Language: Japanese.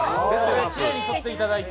きれいに撮っていただいて。